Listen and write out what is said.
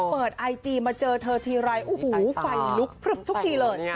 เปิดไอจีมาเจอเธอทีไรอุ้หูวไฟลุกพรึ่งทุกทีเลย